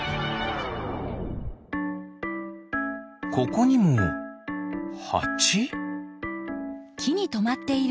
ここにもハチ？